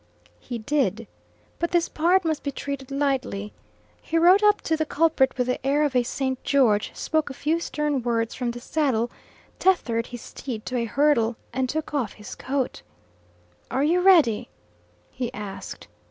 He did. But this part must be treated lightly. He rode up to the culprit with the air of a Saint George, spoke a few stern words from the saddle, tethered his steed to a hurdle, and took off his coat. "Are you ready?" he asked.